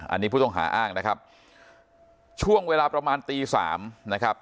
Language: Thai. อันนี้ผู้ต้องหาอ้างนะครับช่วงเวลาประมาณตีสามนะครับ